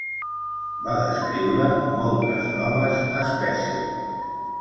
Va descriure moltes noves espècies.